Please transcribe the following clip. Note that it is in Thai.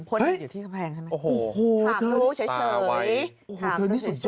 พ้นอยู่ที่กำแพงใช่ไหมถามดูเฉย